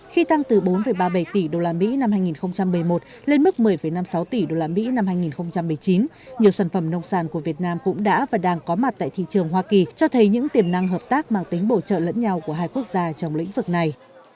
khi tăng từ bốn ba mươi bảy tỷ usd năm hai nghìn một mươi một lên mức một mươi năm mươi sáu tỷ usd năm hai nghìn một mươi chín nhiều sản phẩm nông sản của việt nam cũng đã và đang có mặt tại thị trường hoa kỳ cho thấy những tiềm năng hợp tác mang tính bổ trợ lẫn nhau của hai quốc gia trong lĩnh vực này